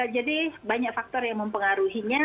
jadi banyak faktor yang mempengaruhinya